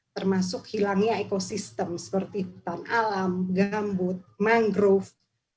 termasuk hilangnya ekosistem seperti hutan alam gambut mangrove